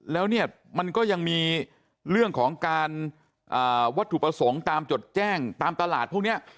แล้วเนี่ยมันก็ยังมีเรื่องของการวัตถุประสงค์ตามจดแจ้งตามตลาดพวกนี้